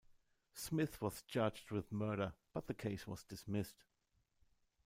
Smith was charged with murder, but the case was dismissed.